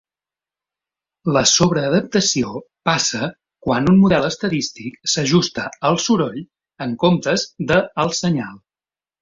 La sobreadaptació passa quan un model estadístic s'ajusta al soroll en comptes de al senyal.